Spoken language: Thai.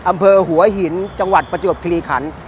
อำเภอหัวหินจังหวัดประจวบคลีขัน